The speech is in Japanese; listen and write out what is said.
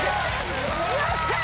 よっしゃ！